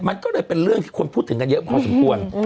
มันก็เลยเป็นเรื่องที่คนพูดถึงกันเยอะพอสมควร